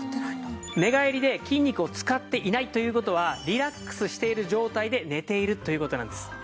寝返りで筋肉を使っていないという事はリラックスしている状態で寝ているという事なんです。